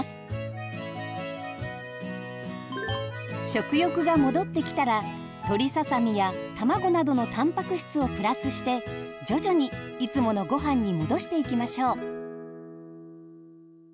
食欲が戻ってきたら鶏ささみや卵などのたんぱく質をプラスして徐々にいつものごはんに戻していきましょう。